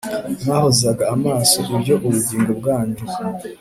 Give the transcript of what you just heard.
Mwahozagaho amaso ibyo ubugingo bwanyu